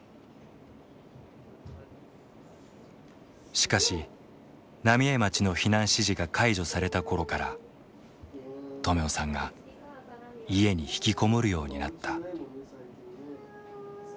しかし浪江町の避難指示が解除された頃から止男さんが家に引きこもるようになった。